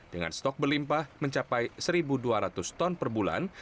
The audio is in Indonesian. dengan stok berlimpah mencapai satu dua ratus ton per bulan